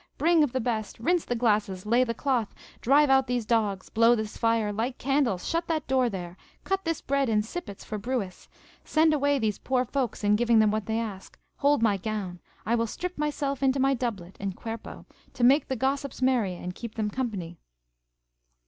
Bring of the best, rinse the glasses, lay the cloth, drive out these dogs, blow this fire, light candles, shut that door there, cut this bread in sippets for brewis, send away these poor folks in giving them what they ask, hold my gown. I will strip myself into my doublet (en cuerpo), to make the gossips merry, and keep them company.